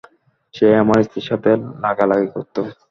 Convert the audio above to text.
সে আমার স্ত্রীর সাথে লাগালাগি করতো।